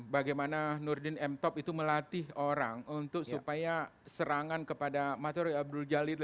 bagaimana nurdin m top itu melatih orang untuk supaya serangan kepada materi abdul jalil